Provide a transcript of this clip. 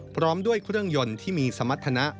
พร้อมด้วยเครื่องยนต์ที่มีสมรรถนะ